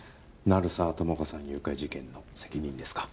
鳴沢友果さん誘拐事件の責任ですか？